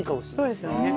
そうですよね。